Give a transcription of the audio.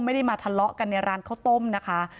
ไม่ได้มาทะเลาะกันในร้านข้าวต้มนะคะ